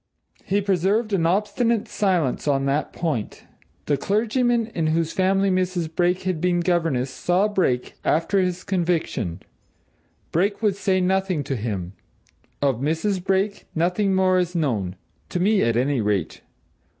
He preserved an obstinate silence on that point. The clergyman in whose family Mrs. Brake had been governess saw Brake, after his conviction Brake would say nothing to him. Of Mrs. Brake, nothing more is known to me at any rate.